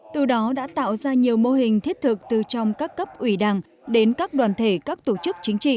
từ đó đã tạo ra nhiều mô hình thiết thực từ trong các cấp ủy đảng đến các đoàn thể các tổ chức chính trị